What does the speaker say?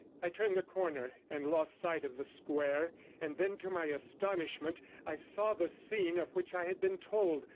I turned the corner, and lost sight of the square, and then, to my astonishment, I saw the scene of which I had been told.